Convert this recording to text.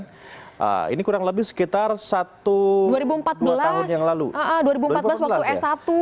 nah ini kurang lebih sekitar satu tahun yang lalu